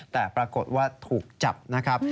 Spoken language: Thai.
แต่ปรากฏว่าถูกจับนะครับ